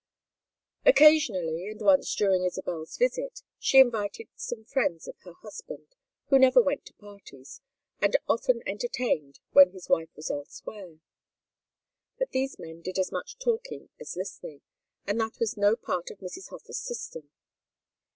Occasionally, and once during Isabel's visit, she invited some friends of her husband, who never went to parties, and often entertained when his wife was elsewhere; but these men did as much talking as listening, and that was no part of Mrs. Hofer's system.